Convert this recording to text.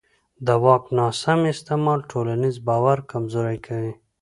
د واک ناسم استعمال ټولنیز باور کمزوری کوي